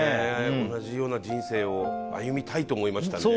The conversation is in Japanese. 同じような人生を歩みたいと思いましたね。